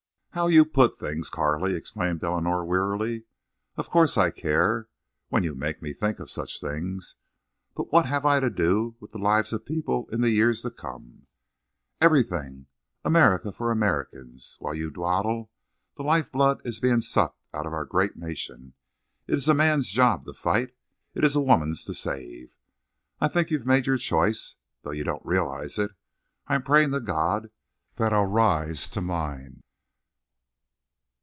"How you put things, Carley!" exclaimed Eleanor, wearily. "Of course I care—when you make me think of such things. But what have I to do with the lives of people in the years to come?" "Everything. America for Americans! While you dawdle, the life blood is being sucked out of our great nation. It is a man's job to fight; it is a woman's to save.... I think you've made your choice, though you don't realize it. I'm praying to God that I'll rise to mine."